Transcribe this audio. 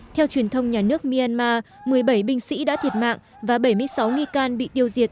theo truyền thông nhà nước myanmar một mươi bảy binh sĩ đã thiệt mạng và bảy mươi sáu nghi can bị tiêu diệt